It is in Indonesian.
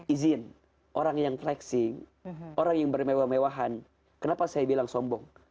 izin orang yang flexing orang yang bermewah mewahan kenapa saya bilang sombong